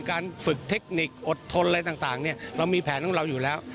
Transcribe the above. การฝึกเทคนิคอดทนอะไรต่างเรามีแผนของเราอยู่แล้ว